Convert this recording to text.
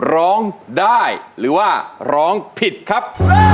ร้องได้หรือว่าร้องผิดครับ